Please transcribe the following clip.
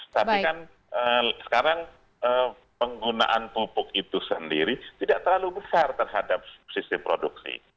tapi kan sekarang penggunaan pupuk itu sendiri tidak terlalu besar terhadap sistem produksi